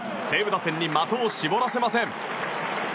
西武打線に的を絞らせません。